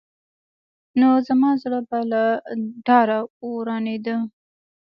نو زما زړه به له ډاره ورانېده.